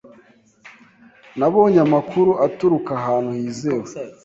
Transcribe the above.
Nabonye amakuru aturuka ahantu hizewe.